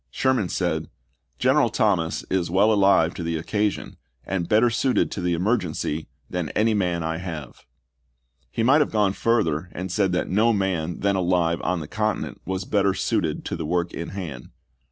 Sherman said, " General Thomas is well alive to the occasion, and better suited to the emergency than any man I have." He might have gone further and said that no man then alive on the continent was better suited to the work in hand.